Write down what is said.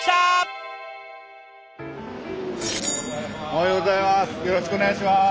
おはようございます。